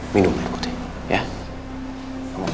minum dulu bu dewi ya